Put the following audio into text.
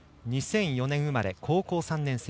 ２００４年生まれ、高校３年生。